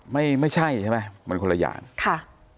ไม่ใช่ใช่ไหมมันคนละอย่างค่ะ